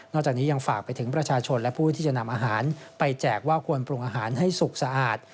จากนี้ยังฝากไปถึงประชาชนและผู้ที่จะนำอาหารไปแจกว่าควรปรุงอาหารให้สุกสะอาด